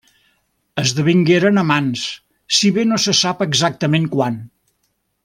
Esdevingueren amants, si bé no se sap exactament quan.